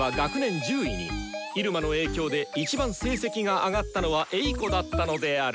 入間の影響で一番成績が上がったのはエイコだったのである。